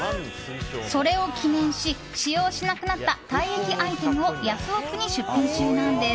それを記念し使用しなくなった退役アイテムをヤフオク！に出品中なんです。